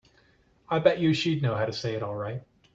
I bet you she'd know how to say it all right.